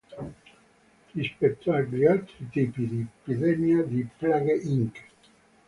Rispetto agli altri tipi di epidemia di "Plague Inc.